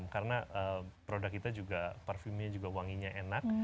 karena produk kita juga parfumnya juga wanginya enak